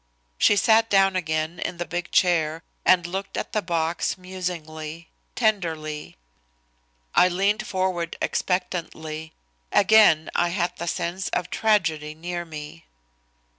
She sat down again in the big chair and looked at the box musingly, tenderly. I leaned forward expectantly. Again I had the sense of tragedy near me.